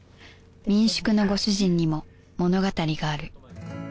民宿のご主人にも物語がある。